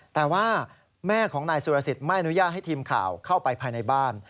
แต่ว่าแม่ของนายสุรสิทธิ์ไม่อนุญาตให้ทีมข่าวเข้าไปภายในบ้าน